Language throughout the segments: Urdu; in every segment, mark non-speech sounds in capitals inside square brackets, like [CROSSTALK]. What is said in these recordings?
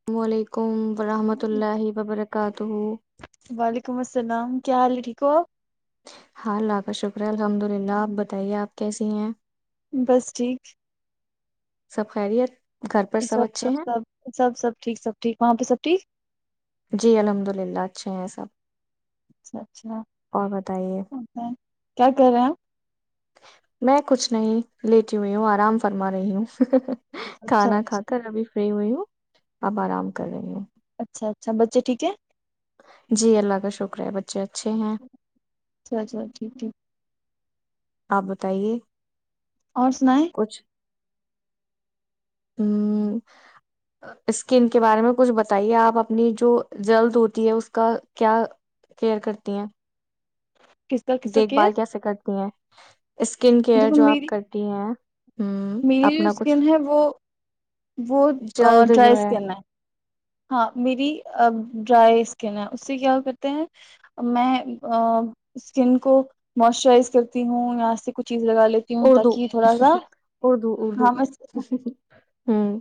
السلام علیکم ورحمۃ اللہ وبرکاتہ وعلیکم السلام کیا حال ہے ٹھیک ہو ہاں اللہ کا شکرہ الحمد للہ آپ بتائیے آپ کیسی ہیں بس ٹھیک سب خرییت سب سب سب سب سب ٹھیک سب ٹھیک وہاں پہ سب جی جی الحمد للہ اچھے ہیں سب چ اور بتائیے اچھا کیا کہ رہے ہیں آپ میں کچھ نہیں لیٹی ہوئی ہوں آرام فرما رہی ہوں اچھا کھانا کھا اچھا کر ابھی فری ہوئی ہوں آپ آرام کر رہے ہیں اچھا اچھا بچے ٹھیک ہے جی اللہ کا شکر ہے بچ سات س بات ٹھیک ٹھیک آپ بتائیے اور سنائیں ہ اسکن کے بارے میں کچھ بتائیے آپ اپنی جو جلد ہوتی ہے اس کا کیا کیئر کرتی ہیں کس کا کس کا دیکھ کیئر بھال کیسے کرتی ہیں اسکن کیئر دیکھو جو آپ میری کرتی ہیں ہوں میری جو اپنا کچھ اسکن ہے وہ وہ جلد ڈرائی جو اسکن ہے ہاں میری ڈرائی اسکن ہے اس سے کیا کرتے ہیں میں اسکن کو موئسچرائز کرتی ہوں اں سے کچھ چیز لگا لیتی ہوں اردو تاکہ تھوڑا سا اردو اردو ہاں میں ہوں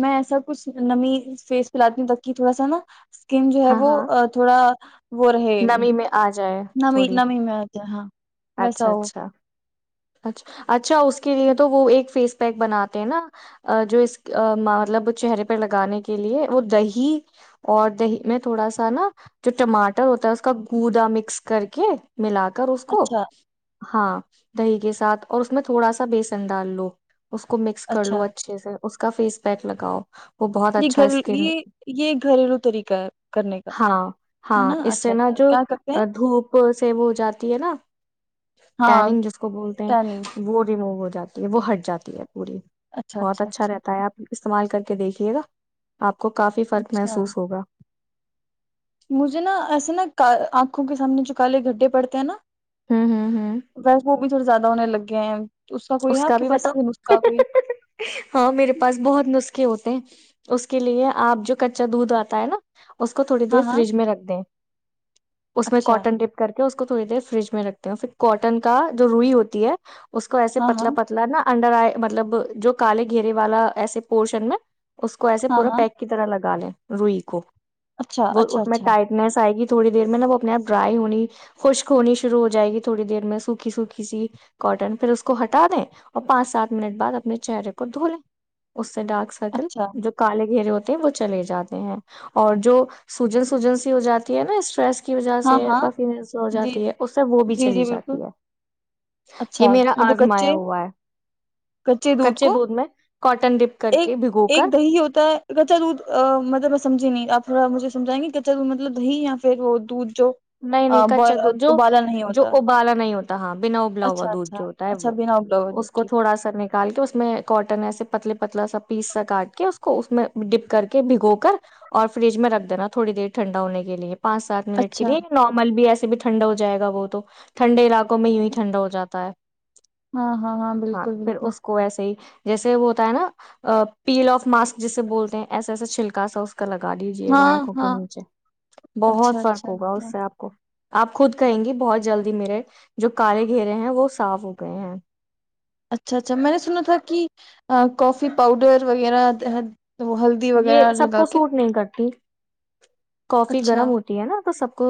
میں ایسا کچھ نمی فیس پہ لاتی ہوں تب کہ تھوڑا سا نا اسکن جو ہے ہاں وہ ہاں تھوڑا وہ رہے نمی میں آ جائے نمی تھوڑی نمی میں آتا ہاں اچھا ویسا وہ اچھا اچھا اچھا اس کے لیے تو وہ ایک فیس پیک بناتے ہیں نا جو اس مطلب چہرے پرہ لگانے کے لیے وہ دہی اور دہی میں تھوڑا سا نا جو ٹماٹر ہوتا ہے اس کا گوودا مکس کر کے ملا کر اس کو اچھا ہاں دی کے ساتھ اور اس میں تھوڑا سا بیسن ڈال لو اس کو مکس کر لو اچھا اچھے سے اس کا فیس پیک لگاؤ وہ بہت یہ اچھا گھر اسکن یہ یہ گھریلو طریق ہے کرنے کا ہاں ہے ہاں نا اس اچھا سے نا اچھا جو کیا کرتے ہیں دھوپ سے وہ ہو جاتی ہے نا ہاں یننگ جس کو بولتے ٹیننگ ہیں وہ ریموو ہو جاتی ہے وہ ہٹ جاتی ہے پوڑی بہت اچھا رہتا ہے آپ استعمال کر دیکھیے گا آپ کو کافی فرق اچھا محسوس ہوگا مجھے نا ایسے نا آنکھوں کے سامنے جو کالے گھڈھے پڑتے ہیں نا ہوں ہوں ہوں ویس وہ بھی تھوڑا زیادہ ہونے لگ گیم اس کا بھی بتاؤ ہاں میرے پاس بہت نسخے ہوتے ہیں اس کے لیے آپ جو کچا دودھ آتا ہے نا اس کو تھوڑی ہاں دیر ہاں فریج میں رکھ دیں اس میں اچھا کاٹن ٹپ کر کے اس کو تھوڑی دیر فریج میں رکھتے ہیں پھر کاٹن کا جو روئی ہوتی ہے اس کو ہاں ہاں پتلا پتلا نہا انڈر آئے مطلب جو کالے گھیرے والا ایسے پورشن میں اس کو ایسے ہاں پورا ہاں پیک کی طرح لگ گالیں روئی کوو اچھا وہ اچھا اس میں اچھا ٹائٹنیس آئے گی تھوڑی دیر میں نا وہ اپنے آپ ڈرائی ہونی خشک ہونی شروع ہو جائے گ تھوڑی دیر میں سوکھی سوکھی سی کوٹن پھر اس کو ہٹا دیں اور پانچ سات منٹ بعد اپنے چہرے کو دھو لیں اس سے ڈارک سرکل اچھا جو کاالل گرے ہوتا وہ چلے جاتے ہیں اور جو سوجن سوجن سی ہو جاتی ہے نا اسٹریس کے کی وجہ ہاں سے ہاں کافی م ہو جی جاتی ہے اس سے وہ بھی جی چلی جی جاتی ہے یہ میرا مطب آزمایا کچے ہوا ہے کچے دودھ کو میں کاٹن ڈپ کر ایک کے بھگو کر ایک دہی ہوتا ہے کچا دودھ مطلب میں سمجھی نہیں آپ تھوڑا مجھے سمجائیں گے کچا مطلب دی یا پھر وہ تو نہیں نہیں کچا دودھ جو جو ہوتا ابالا نہیں ہوتا بنا ابلا ہوا اچھا دودھ اچھا جو ہوتا ہے اچھا وہ بنا ابلا ہوا دودھ اس کو ٹھیک تھوڑا سا نکال کے اس میں کاٹن ایسے پتلے پتلا سا پیس سا کاٹ کے اس کو اس میں ڈپ کر کے بھگو کر اور فریج میں رکھ دینا تھوڑی دیر ٹھنڈا ہونے کے لیے پانچ سات منٹ کے لیے اچھا یا نارمل بھی ایس بھی ٹھنڈا ہو جائے گا وہ تو ٹھنڈے علاقوں میں یوں ہی ٹھنڈا ہو جاتا ہے ہاں ہاں ہاں بالکل پھر بالکل اس کو ایسے ہی جیسے وہ ہوتا ہے نا پیل آف ماسک جسے بولتے ہیں ایسے ایسے چھلکا سا کا لگا دیجے گا ہاں آنکھوں کے ہاں نیچے اچھا بہت فر اچھا ہوگا اچھا اس سے آپ کو آپ خود کہیں گی بہت جلدی میرے جو کالے گھیرے ہیں وہ صاف ہو گئے ہیں اچھا اچھا میں نے سنا تھا کہ کافی پاؤڈر وغیرہ وہ ہلدی وغیرہ یہ سب لگا کو کے سوٹ نہیں کرتی کافی اچھا گرم ہوتی ہے نا تو سب کو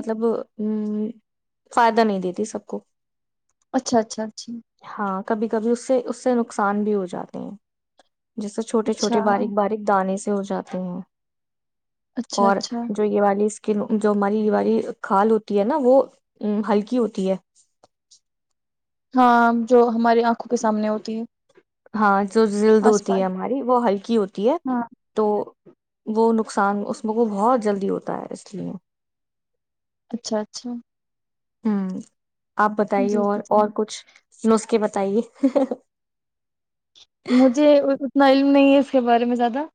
مطلب ہ فائدہ نہیں دیتی سب کو اچھا اچھا اچا ہاں کبھی کبھی اس سے اس سے نقصان بھی ہو جاتے ہیں جیسے چھوٹے اچھا چھوٹے باریک باریک دانے سے ہو جاتے ہیں اچھا اور اچھا جو یہ والی اس کہ جو ہماری والی کھال ہوتی ہے نا وہ ہلکی ہوتی ہے ہاں جو ہماری آنکھوں کے سامنے ہوتی ہے ہاں جو جلد آس ہوتی ہے پاس ہماری وہ ہلکی ہوتی ہے ہاں تو وہ نقصان اس میں کو بہت جلدی ہوتا ہے اس لیے اچھا اچھا ہاں آپ بتائیے جی اور جی اور جی کچھ نسخے بتائیے مجھے اتنا علم نہیں ہے کے بارے میں زیادہ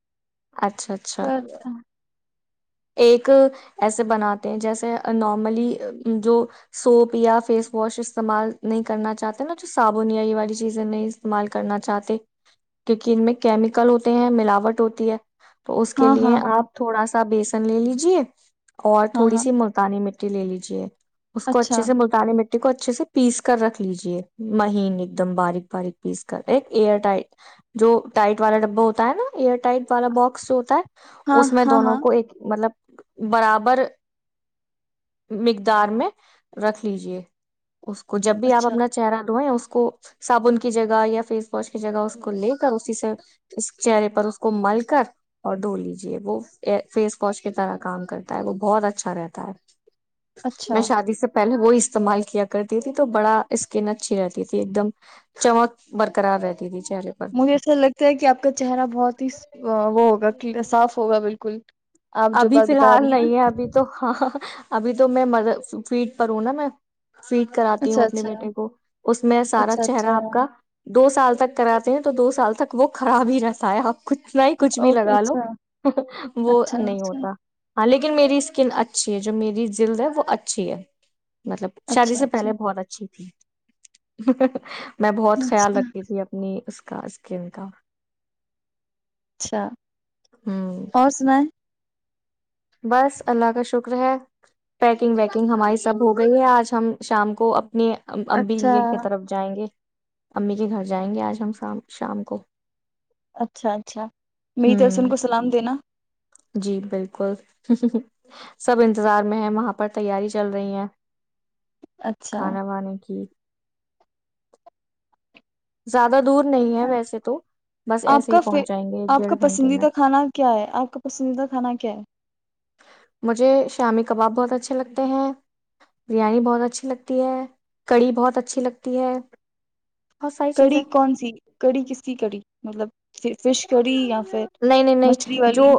اچھا اچھا پر ایک ایسے بناتے ہیں جیسے نارملی جو سوپ یا فیس واش استعمال نہیں کرنا چاہتے نا جو صابن یا یہ والی چیزیں نہیں استعمال کرنا چاہتے کیونکہ ان میں کیمیکل ہوتے ہیں ملاوٹ ہوتی ہے تو اس کے ہاں لیے ہاں ہاں آپ تھوڑا سا سبس لے لیجیے السلام ہاں ہاں علیکم محترم بھائی جان آپ کو لے لیجیے اس کو اچھے اچھا سے ملتانے میں کو اچھے سے پیس کر رکھ لیجے مہین ایک دم باریک باریک پیس کر ایک ایئر ٹائٹ جو ٹائٹ والا ڈبا ہوتا ہے نا ایئر ٹائٹ والا باکس جو ہوتا ہے ہاں اس میں ہاں دونوں ہاں کو ایک مطلب برابر مقدار میں رکھ لیجے اس کو جب بھی آپ اچھا اپنا چہرہ دھوئیں اس کو صابن کی جگہ یا فیس واش کی جگہ اس کو لے کر اسی سے اس چہرے پر اس کو مل کر اور دھو لیجے وہ فی فوج کی طرح کام کرتا ہے وہ بہت اچھا رہتا ہے میں اچھا شادی سے پہلے وہ استعمال کیا کرتی تھی تو بڑا اسکن اچھی رہتی تھی ایک دم چمک برقرار رہتی تھی چہرے پر مجھے ایسا لگتا ہے کہ آپ کا چہرہ بہت ہی وہ ہوگا صاف ہوگا بالکل آپ جو ابھی بات فی بتا رہی الحال ہیں نا نہیں ہے ابھی تو ہاں ابھی تو میں م فیٹ پر ہوں نا میں فیٹ کراتی ہوں اچھا اپنے اچھا بیٹے کو اس میں سارا اچھا چہرہ اچھا آپ کا دو سال تک کراتے ہیں تو دو سال تک وہ خراب ہی رہتا ہے اب کچھ نہ ہی کچھ بھی اوکے لگا لو اچھا وہ اچھا نہیں اچھا ہوتا ہاں لیکن میری اسکن اچھی ہے جو میری جلد ہے وہ اچھی ہے مطلب شادی اچھا سے اچھا پہلے بہت اچھی تھی [INAUDIBLE] میں بہت خیال اچھا رکھی تھی اپنی اس کا اسکم کا اچھا ہوں اور سنیں بس اللہ کا شکر ہے پٹیکنگ ویکنگ ہماری سب ہو گئی ہے آج ہم شام کو اپنے اچھا امبنییر کی طرف جائیں گے امی کے گھر جائیں گے آج ہم شام کو اچھا اچھا می ترس ان ہوں کو سلام دینا جی بالکل سب انتظار میں ہے وہاں پر تیاری چل رہی ہیں اچھا کھانا بانے کی زیادہ دور نہیں ہے ویسے تو بس آپ ایسے ہی کا پہنچ جائیں گے ایک آپ کا ڈیڑھ گھنٹے میں پسندیدہ کھانا کیا ہے آپ کا پسندیدہ کھانا کیا ہے مجھے شامی کباب بہت اچھے لگتے ہیں بریانی بہت اچھی لگتی ہے کڑی بہت اچھی لگتی ہے بہت ساری کڑی چیزیں کون سی کڑی کس س کڑی مطلب فش کڑی یا پھر نہیں نہیں نہیں مچھلی جو والی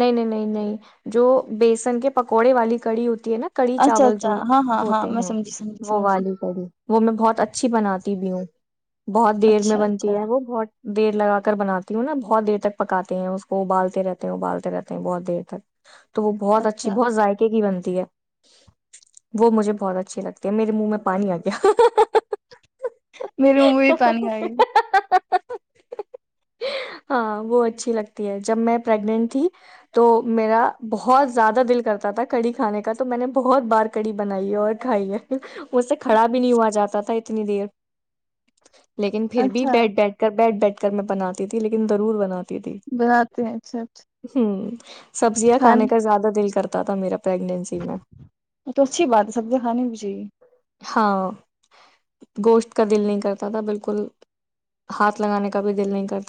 نہیں نہیں نہیں نہیں جو بیسن کے پکوڑے والی کڑی ہوتی نا کڑی اچھا چاول اچھا جو ہاں ہاں ہاں ہوتے میں ہیں سمجھی سمجھی وہ سمجھی والی کڑی وہ میں بہت اچھی بناتی تی بھی ہ بہت دیر میں اچھا بنتی اچھا ہے وہ بہت دیر لگات کر بناتی ہوں نا بہت دیر تک پکاتے ہیں اس کو ابالتے رہتے ہیں ابالتے رہتے ہیں بہت دیر تک تو وہ بہت اچھی اچھا بہت ذق کی بنتی وہ مجھے بہت اچھی لگتی ہے میرے منہ میں پانی آ گیا میرے منہ میں بھی پانی آ گیا ہاں وہ اچھی لگتی ہے جب میں پریگننٹ تھی تو میرا بہت زیادہ دل کرتا تھا کڑی کھانے کا تو میں نے بہت بار کڑی بنائی ہے اور کھائی ہے مجھ سے کھڑا بھی نہیں ہوا جاتا تھا اتنی دیر لیکن پھر بھی اچھا بیٹھ بیٹھ کر بیٹھ بیٹھ کر میں بنی تھی لیکن ضور بنی ہ بناتے ہیں اچھا اچھا سبزیاں کھانے کا زیادہ دل کر تھا میرا پریگنینسی میں ا تو اچھی بات ہے سبزیاں کھانی بھی چاہیے ہاں گوشت کا دل نہیں کرتا تھا بالکل ہاتھ لگانے کا بھی د لیں کرتے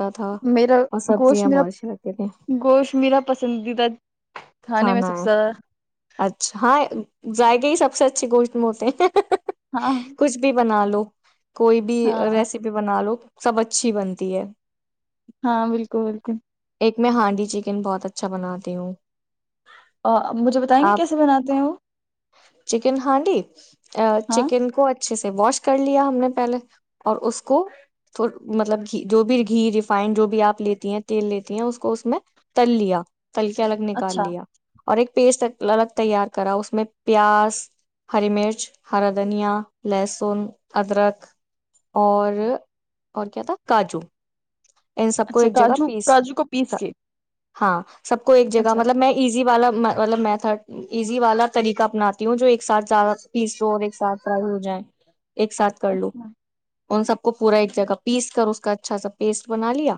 میرا گوشت میرا لگتی تھیں گوشت میرا پسندیدہ کھانے میں کھانا سب سے زیادہ ائقہ ہی سب سے اچھی گوشت ہوتے ہیں ہاں کچھ بھی بنا لو دو کوئی بھی ہاں ریسیپی بنا لو سب اچھی بنتی مھ دیا ہاں بالکل بالکل ایک میں ہانڈی چکن بہت اچھا بناتی ہوں آ، مجھے بتائیں گے آپ کیسے بناتے ہیں وہ چکن ہانڈی ہاں چکن کو اا اچھے سے واش کر لیا ہم نے پہلے اور اس کو تھ مطلب جو بھی گھی ریفائنڈ جو بھی آپ لیتی ہیں تیل لیتی ہیں اس کو اس میں تل لیا پلک الگ نکال اچھا لیا اور ایک پیسٹ الگ تیار کرا اس میں پیاز ہری مرچ ہرا دھنیا لہسن ادرک اور اور کیا تھا کاجو ان سب کو اچھا ایک جگہ کاجو پیس کاجو کو پیس کے ہاں سب کو ایک جگہ اچھا مطلب اچھا میں ایزی والا مطلب میتھڈ ایزی والا طریقہ اپناتی ہوں جو ایک ساتھ زیادہ پیسو اور ایک ساتھ ٹرائی ہو جائے ایک ساتھ کر لو اچھا ان سب کو پورا ایک جگہ پیس کر اس اس کا اچھا سا پیسٹ بنا لیا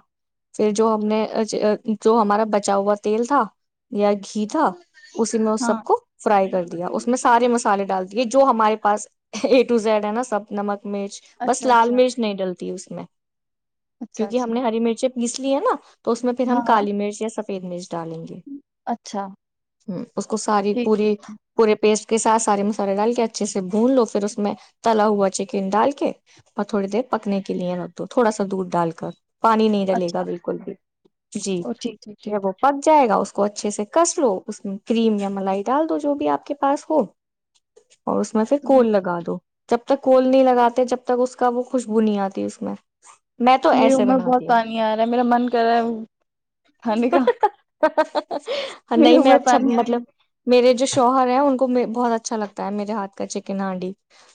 پھر جو ہم نے جو ہمارا بچا ہوا تیل تھا یا گھی تھا اسی میں اس ہاں سب کو فرائی کر دیا اس میں سارے مسالے ڈال دیے جو ہمارے پا اے ٹو زیڈ ہے نا سب نمک مرچ بس اچھا لال اچھا مرچ نہیں ڈلتی اس میں اچھا کیونکہ ہم اچھا نے ہری مرچی گسلی ہے نا تو اس میں پھر ہم ہاں ہاں کالی مرچ یا سب پ ڈالیں گے اچھا ہ اس کو ساری ٹھیک ٹھیک پوری ٹھیک، پورے پیسٹ اس کے ساتھ سارے مسالے ڈال کے اچھے سے بھون لو پھر اس میں تلا ہوا چکن ڈال کے اور تھوڑی دیر پکنے کے لیے ل دو تھوڑا سا دودھ ڈال کر پانی نہیں ڈلے گا اچھا بالکل بھی جی او ٹھیک ٹھیک ج ٹھیک وہ پک جائے گا اس کو اچھے سے کس لو اس میں کریم یا ملائی ڈال دو جو بھی آپ کے پاس ہو اور اس میں سے تو کول لگا دو جب تک کول نہیں لگاتے جب تک اس کا وہ خوشبو نہیں آتی اس میں میں تو میری عمر ایسے میں بہت بناتی ہوں پانی آ رہا ہے میرا من کر رہا ہے ھانڈے کا میرے نہیں منہ میں اچھا پانی آ گیا مطلب میرے جو شوہر ہے ان کو بہت اچھا لگتا ہے میرے ہاتھ کا چکن ہانڈی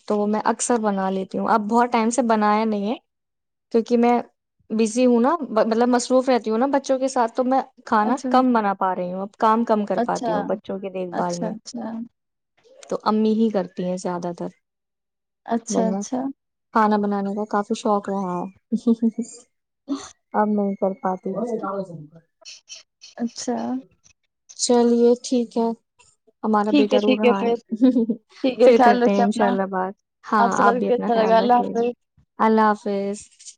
تو وہ میں اکثر بنا لیتی ہوں اب بہت ٹائم سے بنایا نہیں ہے کیونکہ میں بزی ہوں نا مطلب مصروف رہتی ہوں نا بچوں کے ساتھ تو میں کھانا اچھا کم بنا پا رہی ہوں کام کم کر اچھا پاتی ہوں بچوں کے دیکھ بھال اچھا میں اچھا تو امی ہی کرتی ہیں زیادہ تر اچھا جیا اچھا کھانا بنایا کاف شک آم کر پاتی اچھا چلیے ٹھیک ہے ہمارا ٹھیک ہے بیٹا رو ٹھیک رہا ہے پھر ٹھیک ہے پھر خیال کرتے ہیں رکھیں ان شاء اپنا اللہ بات ہاں سے آپ بات کر بھی کے اپنا اچھا لگا خیال اللہ رکھیے حافظ گا اللہ حافظ فس